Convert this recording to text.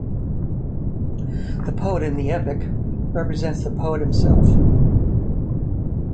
The poet in the epic represents the poet himself.